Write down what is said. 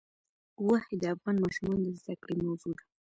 غوښې د افغان ماشومانو د زده کړې موضوع ده.